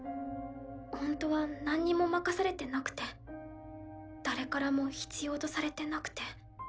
ほんとはなんにも任されてなくて誰からも必要とされてなくて。